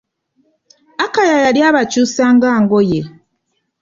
Akaya yali abakyusa nga ngoye.